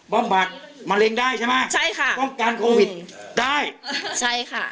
บำบัดมะเร็งได้ใช่ไหมใช่ค่ะป้องกันโควิดได้ใช่ค่ะ